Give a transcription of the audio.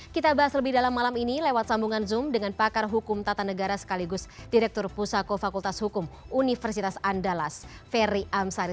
kita bahas lebih dalam malam ini lewat sambungan zoom dengan pakar hukum tata negara sekaligus direktur pusako fakultas hukum universitas andalas ferry amsari